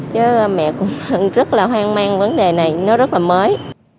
chứ mẹ cũng rất là hoang mang vấn đề này nó rất là mới